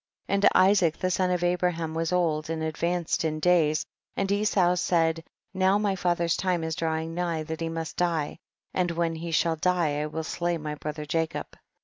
And Isaac the son of Abraham was old and advanced in days, and Esau said, now my father's time is drawing nigh that he must die, and when he shall die I will slay my brother Jacob.